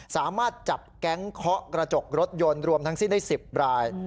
สามารถจับแก๊งเคาะกระจกรถยนต์รวมทั้งสิ้นได้๑๐ราย